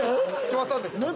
決まったんですか？